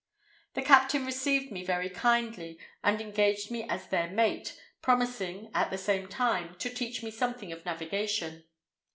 The captain received me very kindly, and engaged me as their mate, promising, at the same time, to teach me something of navigation.